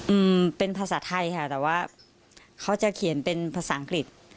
อืมเป็นภาษาไทยค่ะแต่ว่าเขาจะเขียนเป็นภาษาอังกฤษ